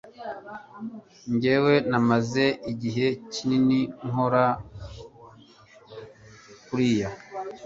Njyewe namaze igihe kinini nkora kuriyi